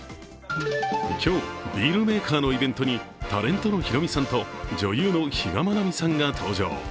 今日、ビールメーカーのイベントにタレントのヒロミさんと女優の比嘉愛未さんが登場。